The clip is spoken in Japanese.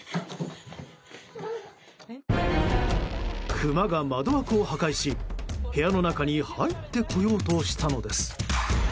クマが窓枠を破壊し、部屋の中に入ってこようとしたのです。